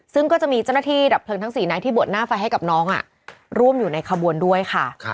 ซึ่งก็จะมีเจ้าหน้าที่ดับเพลิงทั้ง๔นายที่บวชหน้าไฟให้กับน้องร่วมอยู่ในขบวนด้วยค่ะ